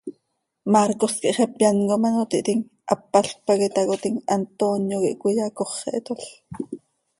Marcos quih xepe án com ano tiihtim, hápalc pac itácotim, Antonio quih cöiyacóxetol.